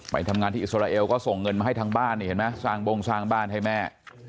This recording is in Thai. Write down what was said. ไปทำงานที่อิสราเอลก็ส่งเงินมาให้ทางบ้านนี่เห็นไหมสร้างบงสร้างบ้านให้แม่